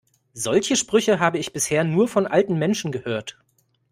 Solche Sprüche habe ich bisher nur von alten Menschen gehört.